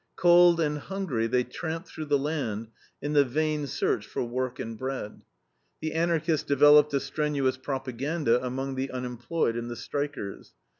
Cold and hungry they tramped through the land in the vain search for work and bread. The Anarchists developed a strenuous propaganda among the unemployed and the strikers.